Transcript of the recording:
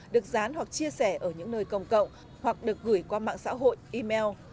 được dán hoặc chia sẻ ở những nơi công cộng hoặc được gửi qua mạng xã hội email